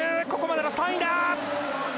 ここまでの３位だ。